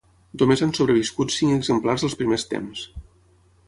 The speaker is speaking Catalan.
Només han sobreviscut cinc exemplars dels primers temps.